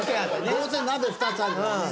どうせ鍋２つあるからね。